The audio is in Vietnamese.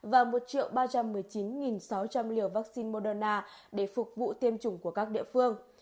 và một ba trăm một mươi chín sáu trăm linh liều vaccine moderna để phục vụ tiêm chủng của các địa phương